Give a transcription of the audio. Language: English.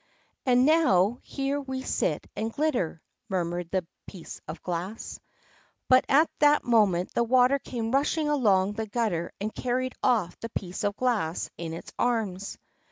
"And now here we sit and glitter," murmured the piece of glass. But at that moment the water came rushing along the gutter and carried off the piece of glass in its arms.